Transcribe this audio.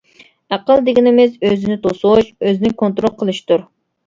«ئەقىل» دېگىنىمىز «ئۆزىنى توسۇش، ئۆزىنى كونترول قىلىش» تۇر.